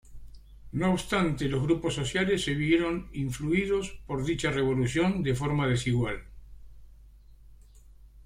No obstante, los grupos sociales se vieron influidos por dicha revolución de forma desigual.